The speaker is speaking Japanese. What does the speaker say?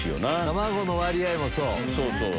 卵の割合もそう。